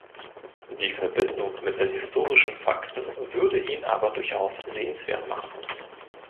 Die Verbindung mit den historischen Fakten würden ihn aber durchaus sehenswert machen.